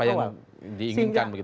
apa yang diinginkan begitu ya